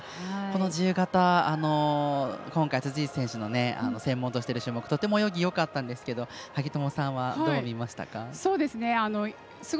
自由形、今回、辻内選手の専門としている種目とても泳ぎよかったですけどハギトモさんはどう見ますか？